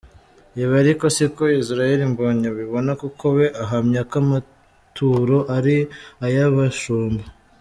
Ibi ariko siko Israel Mbonyi abibona kuko we ahamya ko amaturo ari ay'abashumba.